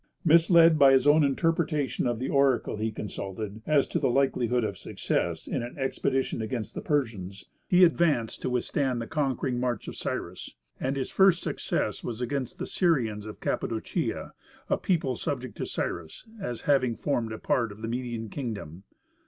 Misled by his own interpretation of the oracle he consulted as to the likelihood of success in an expedition against the Persians, he advanced to withstand the conquering march of Cyrus; and his first success was against the Syrians of Cappadocia, a people subject to Cyrus, as having formed a part of the Median Kingdom.